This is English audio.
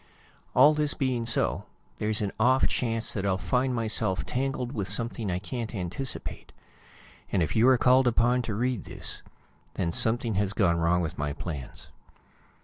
All this being so, there's an off chance that I'll find myself tangled with something I can't anticipate. And if you are called upon to read this, then something has gone wrong with my plans.